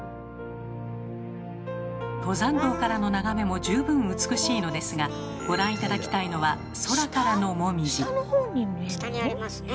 登山道からの眺めも十分美しいのですがご覧頂きたいのは空からのもみじ。